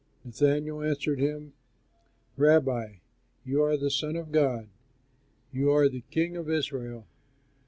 Nathanael answered him, "Rabbi, you are the Son of God, you are the King of Israel."